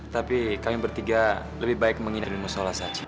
tapi kami bertiga lebih baik mengingatkan masyarakat saja